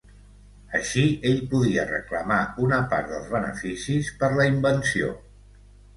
Així, ell podia reclamar una part dels beneficis per la invenció.